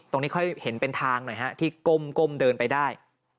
ค่อยเห็นเป็นทางหน่อยฮะที่ก้มเดินไปได้